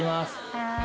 はい。